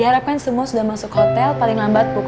diharapkan semua sudah masuk hotel paling lambat pukul empat sore